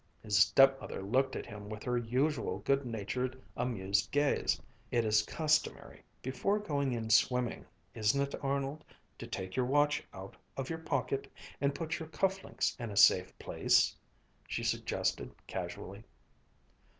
His stepmother looked at him with her usual good natured amused gaze. "It is customary, before going in swimming, isn't it, Arnold, to take your watch out of your pocket and put your cuff links in a safe place?" she suggested casually.